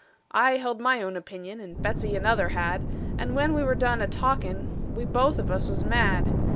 I held my own opinion, and Betsey another had; And when we were done a talkin', we both of us was mad.